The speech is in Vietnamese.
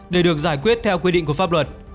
để được giải quyết theo quy định của pháp luật